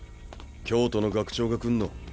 京都の学長が来んの。